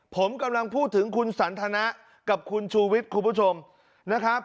ผมกำลังพูดถึงคุณสันทนะกับคุณชูวิทย์คุณผู้ชมนะครับ